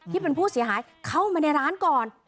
ที่เป็นผู้เสียหายเข้ามาในร้านก่อน